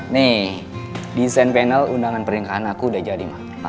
nih desain panel undangan peringkatan aku udah jadi ma